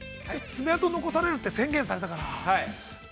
◆爪跡残されるって宣言されたから。